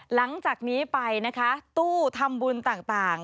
หลังจากนี้ไปนะคะตู้ทำบุญต่าง